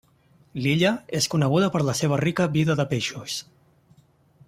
L'illa és coneguda per la seva rica vida de peixos.